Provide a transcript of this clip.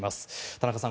田中さん